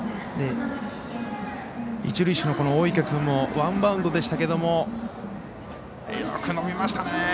一塁手の大池君もワンバウンドでしたがよく伸びましたね。